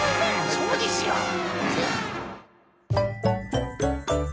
そうですよ。